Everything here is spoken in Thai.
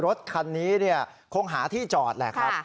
รถคันนี้คงหาที่จอดแหละครับ